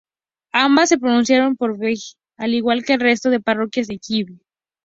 Ambas se pronunciaron por Vejle, al igual que el resto de parroquias de Give.